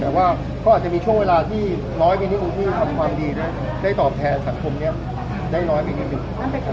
แต่ว่าเขาอาจจะมีช่วงเวลาที่น้อยกันนิดนึงที่ทำความดีได้ตอบแทนสังคมนี้ได้น้อยไปนิดนึง